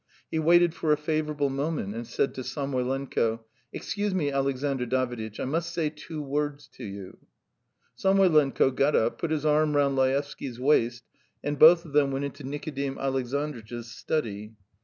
He waited for a favourable moment and said to Samoylenko: "Excuse me, Alexandr Daviditch, I must say two words to you." Samoylenko got up, put his arm round Laevsky's waist, and both of them went into Nikodim Alexandritch's study.